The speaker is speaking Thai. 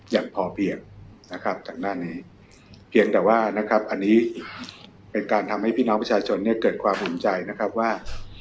อย่างพอเพียงนะครับจากด้านนี้เพียงแต่ว่านะครับอันนี้เป็นการทำให้พี่น้องประชาชนเนี่ยเกิดความเห็นใจนะครับว่า